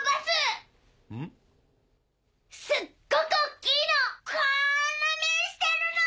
すっごく大きいの！